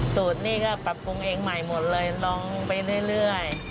สูตรนี่ก็ปรับปรุงเองใหม่หมดเลยลองไปเรื่อย